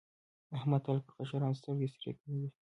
احمد تل پر کشرانو سترګې سرې کېدې.